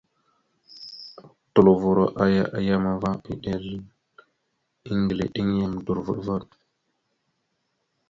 Otlovo aya a yam va ma, eɗel eŋgleɗeŋ yam dorvoɗvoɗ.